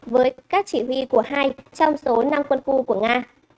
với các chỉ huy của hai trong số năm quân khu của nga